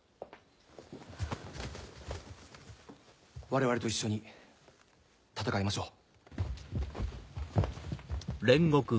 我々と一緒に戦いましょう。